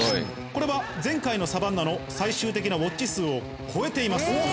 これは前回のサバンナの最終的なウォッチ数を超えています。